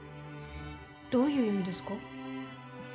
どういう意味ですか？